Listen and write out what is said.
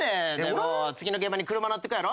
次の現場に車に乗っていくやろ。